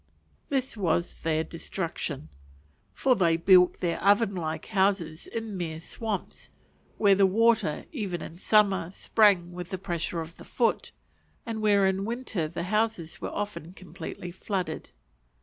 This was their destruction. For they built their oven like houses in mere swamps, where the water, even in summer, sprang with the pressure of the foot, and where in winter the houses were often completely flooded.